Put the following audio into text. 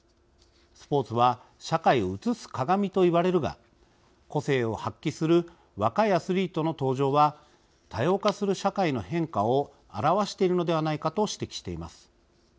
スポーツは社会を映す鏡といわれるが個性を発揮する若いアスリートの登場は多様化する社会の変化を表しているのではないか」と指摘しています。